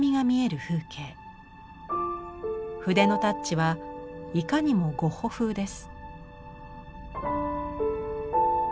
筆のタッチはいかにもゴッホ風です。